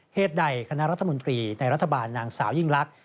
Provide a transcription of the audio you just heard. เหตุใดคณะรัฐมนตรีในรัฐบาลนางสาวยิ่งลักษณ